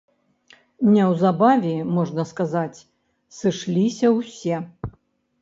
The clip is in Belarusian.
Неўзабаве, можна сказаць, сышліся ўсе.